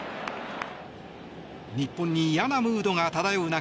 日本に嫌なムードが漂う中